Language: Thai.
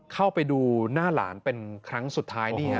เข้าไปดูหน้าหลานเป็นครั้งสุดท้ายนี่ฮะ